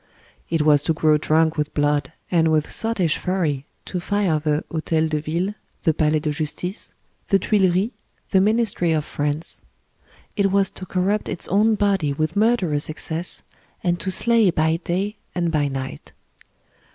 It was to grow drunk with blood, and with sottish fury to fire the Hotel de Ville, the Palais de Justice, the Tuileries, the Ministry of France ; it was to corrupt its own body with murderous excess, and to slay by day and by night.